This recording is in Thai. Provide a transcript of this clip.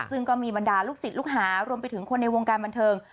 ซึ่งก็มีบรรดาลูกศิษย์ลูกหารวมไปถึงคนในวงการบันเทิง